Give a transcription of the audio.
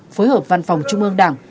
phối hợp văn phòng trung ương đảng